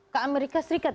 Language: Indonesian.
ke amerika serikat